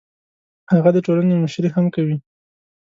هغه د ټولنې مشري هم کوي.